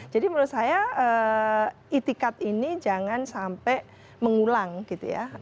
jadi menurut saya itikat ini jangan sampai mengulang gitu ya